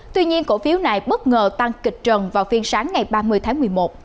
tuy nhiên cổ phiếu này bất ngờ tăng kịch trần vào phiên sáng ngày ba mươi tháng một mươi một